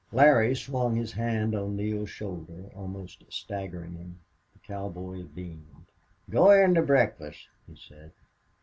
Larry swung his hand on Neale's shoulder, almost staggering him. The cowboy beamed. "Go in to breakfast," he said.